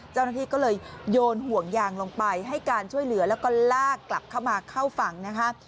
เจ้าหน้าที่ก็เลยโยนห่วงยางลงไปให้การช่วยเหลือแล้วก็ลากกลับเข้ามาเข้าฝั่งนะคะ